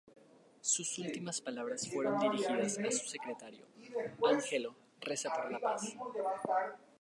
Sus últimas palabras fueron dirigidas a su secretario: "Angelo, reza por la paz".